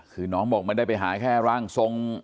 คือน้องบอกไม่ได้ไปหาแค่ร่างทรง